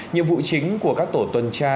nhiệm vụ chính của các tổ tuần tra